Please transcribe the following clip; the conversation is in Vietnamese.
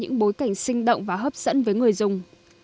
chúng tôi sẽ tạo ra những bối cảnh sinh động và hấp dẫn với người dùng